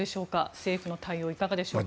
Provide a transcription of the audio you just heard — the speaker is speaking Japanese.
政府の対応、いかがでしょうか。